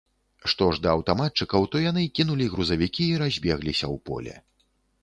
Што ж да аўтаматчыкаў, то яны кінулі грузавікі і разбегліся ў поле.